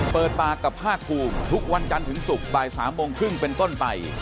เปิดปากกับภาคภูมิทุกวันจันทร์ถึงศุกร์บ่าย๓โมงครึ่งเป็นต้นไป